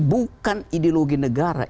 bukan ideologi negara